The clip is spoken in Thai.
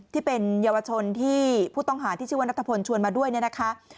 ที่เป็นเยาวชนที่ผู้ต้องหาที่ชื่อว่านัทพลชวนมาด้วยเนี่ยนะคะ